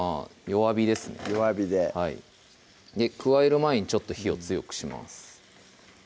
弱火で加える前にちょっと火を強くします